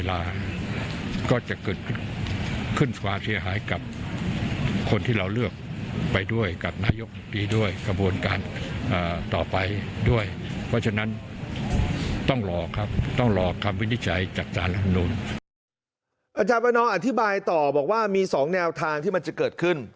อาจารย์ประนอมอธิบายต่อบอกว่ามี๒แนวทางที่มันจะเกิดขึ้น